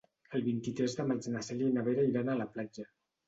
El vint-i-tres de maig na Cèlia i na Vera iran a la platja.